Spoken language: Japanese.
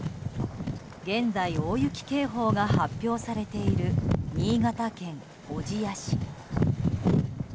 現在大雪警報が発表されている新潟県小千谷市。